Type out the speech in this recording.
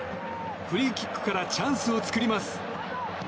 フリーキックからチャンスを作ります。